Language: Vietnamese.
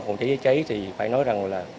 phòng cháy chữa cháy thì phải nói rằng là